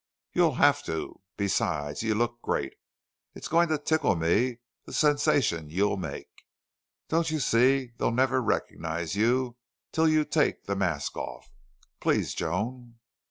"You'll have to. Besides, you look great. It's going to tickle me the sensation you make. Don't you see, they'll never recognize you till you take the mask off.... Please, Joan."